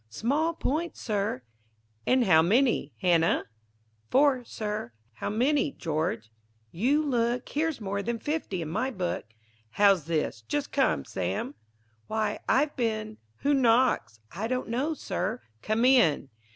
Small points, Sir. And how many, Hannah? Four, Sir. How many, George? You look: Here's more than fifty in my book. How's this? Just come, Sam? Why, I've been Who knocks? I don't know, Sir. Come in.